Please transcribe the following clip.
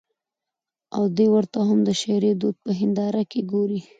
او دى ورته هم د شعري دود په هېنداره کې ګوري.